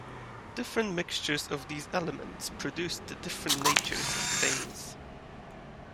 Different mixtures of these elements produced the different natures of things.